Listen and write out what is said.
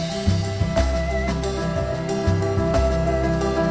berita terkini mengenai cuaca ekstrem dua ribu dua puluh satu